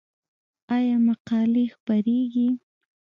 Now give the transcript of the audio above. آیا مقالې خپریږي؟